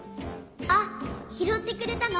あっひろってくれたの？